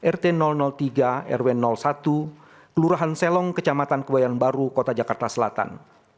rt tiga rw satu kelurahan selong kecamatan kebayang baru kota jakarta selatan